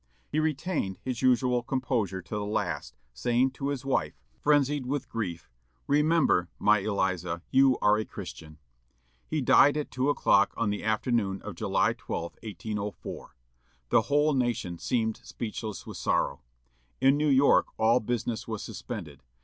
He retained his usual composure to the last, saying to his wife, frenzied with grief, "Remember, my Eliza, you are a Christian." He died at two o'clock on the afternoon of July 12, 1804. The whole nation seemed speechless with sorrow. In New York all business was suspended.